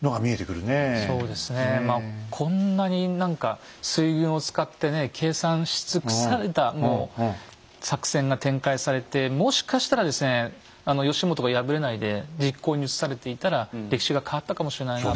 こんなに何か水軍を使ってね計算し尽くされたもう作戦が展開されてもしかしたらですね義元が敗れないで実行に移されていたら歴史が変わったかもしれないなあと。